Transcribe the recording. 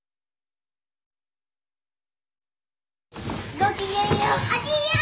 ごきげんよう。